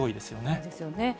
そうですよね。